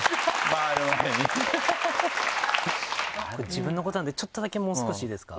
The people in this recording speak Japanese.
自分のことなのでちょっとだけもう少しいいですか？